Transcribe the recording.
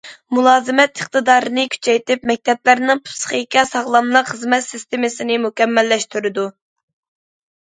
مۇلازىمەت ئىقتىدارىنى كۈچەيتىپ، مەكتەپلەرنىڭ پىسخىكا ساغلاملىقى خىزمەت سىستېمىسىنى مۇكەممەللەشتۈرىدۇ.